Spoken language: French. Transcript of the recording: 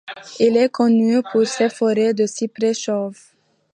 Il est connu pour ses forêts de cyprès chauves.